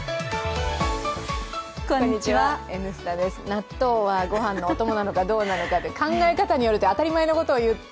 納豆はごはんのお供なのかどうか、考え方によってという当たり前のことを言って。